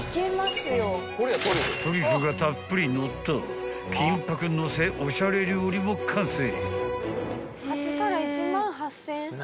［トリュフがたっぷりのった金箔のせおしゃれ料理も完成］